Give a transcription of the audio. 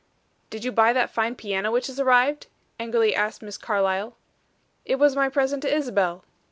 "Did you buy that fine piano which has arrived?" angrily asked Miss Carlyle. "It was my present to Isabel."